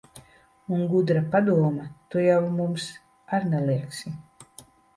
Un gudra padoma tu jau mums ar neliegsi.